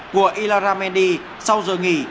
của ilarra mendy sau giờ nghỉ